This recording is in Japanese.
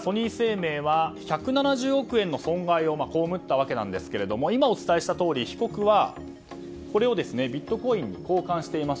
ソニー生命は１７０億円の損害を被ったわけなんですが今、お伝えしたとおり被告はこれをビットコインに交換していました。